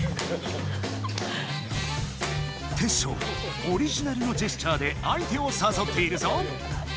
テッショウオリジナルのジェスチャーで相手をさそっているぞ！